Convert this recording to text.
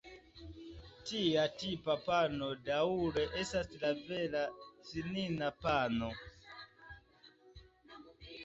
Tia tipa pano daŭre estas la vera finna pano.